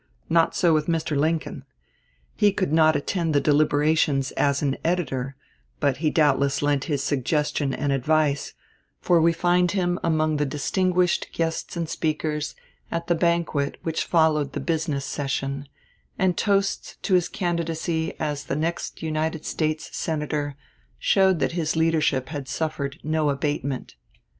Not so with Mr. Lincoln. He could not attend the deliberations as an editor; but he doubtless lent his suggestion and advice, for we find him among the distinguished guests and speakers at the banquet which followed the business session, and toasts to his candidacy as "the next United States Senator" show that his leadership had suffered no abatement.